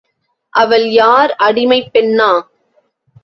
அவள் யார் அடிமைப் பெண்ணா?